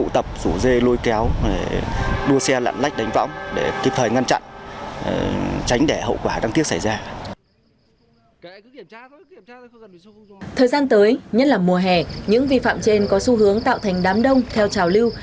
thời gian tới nhất là mùa hè những vi phạm trên có xu hướng tạo thành đám đông theo trào lưu